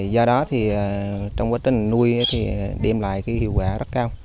do đó trong quá trình nuôi đem lại hiệu quả rất cao